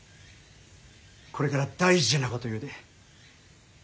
これから大事なこと言うで。